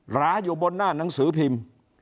หราอยู่บนหน้าหนังสือพิมพ์